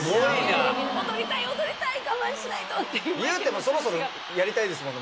いうてもそろそろやりたいですもの